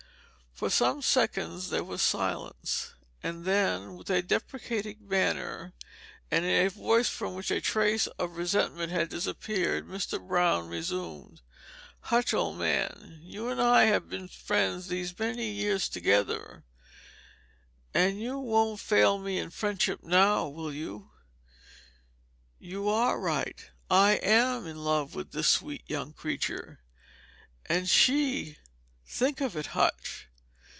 For some seconds there was silence; and then, with a deprecating manner and in a voice from which all trace of resentment had disappeared, Mr. Brown resumed: "Hutch, old man, you and I have been friends these many years together, and you won't fail me in your friendship now, will you? You are right, I am in love with this sweet young creature, and she think of it, Hutch!